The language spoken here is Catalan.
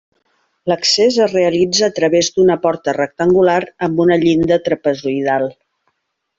L'accés es realitza a través d'una porta rectangular amb una llinda trapezoidal.